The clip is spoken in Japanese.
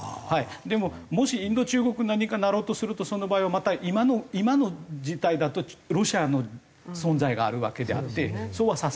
でももしインド中国何かなろうとするとその場合はまた今の今の時代だとロシアの存在があるわけであってそうはさせないと思うんですよ。